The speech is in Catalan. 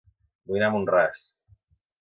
Vull anar a Mont-ras